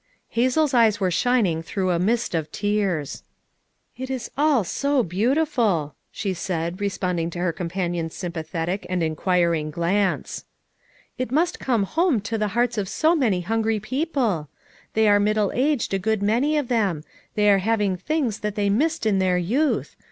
Hazel's eyes were shining through a mist of tears. "It is all so beautiful !" she said, responding to her companion's sympathetic and enquiring glance. "It must come home to the hearts of so many hungry people ! They are middle aged a good many of them; they are having things that they missed in their youth.